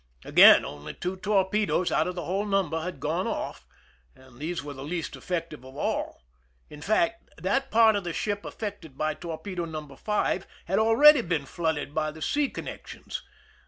Again, only two torpedoes out of the whole number had gone off, and these were the least effec tive of all ; in fact, that part of the ship affected by torpedo No. 5 had already been flooded by the sea connections.